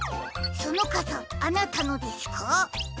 そのかさあなたのですか？